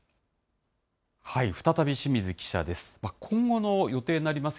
再び清水記者です。